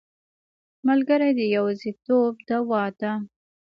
ملګری د یوازیتوب دوا ده.